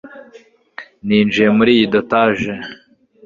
Ninjiye muri iyi dotage.